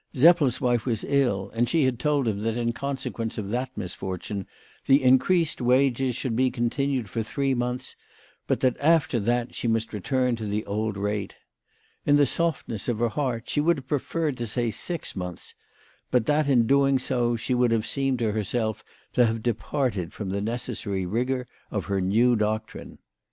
Seppel's wife was ill, and she had told him that in consequence of that misfortune the increased wages should be con tinued for three months, but that after that she must return to the old rate. In the softness of her heart she would have preferred to say six months, but that in doing so she would have seemed to herself to have departed from the necessary rigour of her new doctrine.